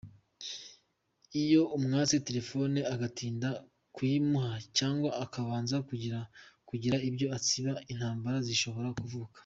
Iyo amwatse telefoni agatinda kuyimuha cyangwa akabanza kugira ibyo asiba intambara zishobora kuvuka.